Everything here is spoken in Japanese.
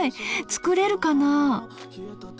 作れるかな？